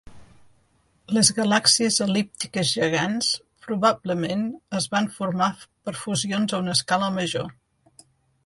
Les galàxies el·líptiques gegants, probablement, es van formar per fusions a una escala major.